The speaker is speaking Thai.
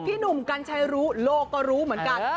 หนุ่มกัญชัยรู้โลกก็รู้เหมือนกัน